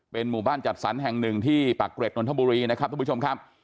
หมู่บ้านจัดสรรแห่งหนึ่งที่ปากเกร็ดนนทบุรีนะครับทุกผู้ชมครับ